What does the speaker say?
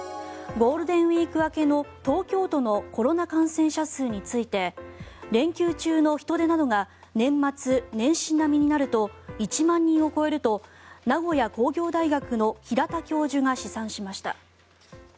ゴールデンウィーク明けの東京都のコロナ感染者数について連休中の人出などが年末年始並みになると１万人を超えると名古屋工業大学の平田教授が試算しました。